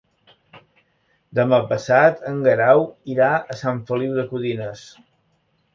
Demà passat en Guerau irà a Sant Feliu de Codines.